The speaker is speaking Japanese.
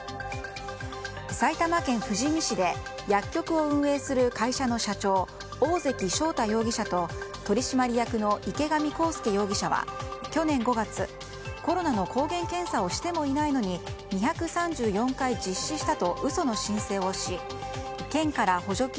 埼玉県富士見市で薬局を運営する会社の社長大関翔太容疑者と取締役のイケガミ・コウスケ容疑者は去年５月コロナの抗原検査をしてもいないのに２３４回実施したと嘘の申請をし県から補助金